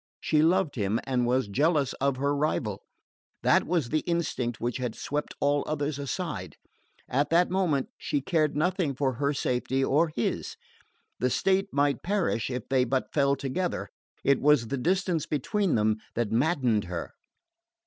She loved him and was jealous of her rival. That was the instinct which had swept all others aside. At that moment she cared nothing for her safety or his. The state might perish if they but fell together. It was the distance between them that maddened her.